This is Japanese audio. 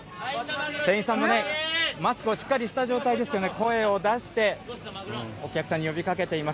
店員さんもね、マスクをしっかりした状態ですけどね、声を出して、お客さんに呼びかけています。